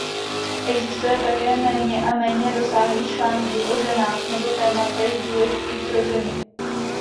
Existuje také méně a méně rozsáhlých článků o ženách nebo tématech důležitých pro ženy.